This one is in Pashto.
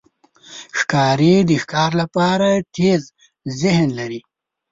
ښکاري د ښکار لپاره تېز ذهن لري.